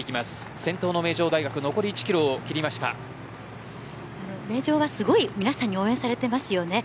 先頭の名城大学は名城はすごい皆さんに応援されてますよね。